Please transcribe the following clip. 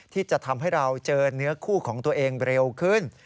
ที่จะทำให้เราเจอเนื้อคู่ของตัวเองเร็วขึ้น